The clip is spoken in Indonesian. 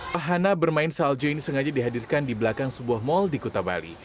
wahana bermain salju ini sengaja dihadirkan di belakang sebuah mal di kota bali